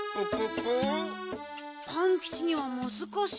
パンキチにはむずかしいかなあ。